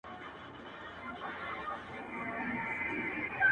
باروتي زلفو دې دومره راگير کړی~